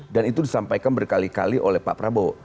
dan itu disampaikan berkali kali oleh pak prabowo